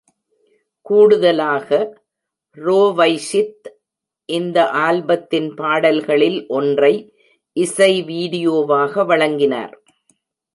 கூடுதலாக, ரோவைஷித் இந்த ஆல்பத்தின் பாடல்களில் ஒன்றை இசை வீடியோவாக வழங்கினார்.